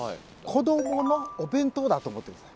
子どものお弁当だと思って下さい。